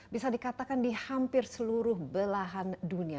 bisa dikatakan di hampir seluruh belahan dunia